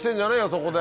そこで。